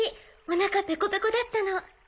おなかペコペコだったの。